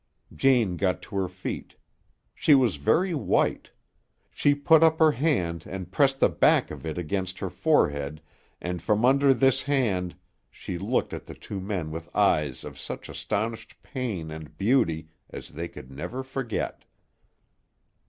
Jane got to her feet. She was very white. She put up her hand and pressed the back of it against her forehead and from under this hand she looked at the two men with eyes of such astonished pain and beauty as they could never forget.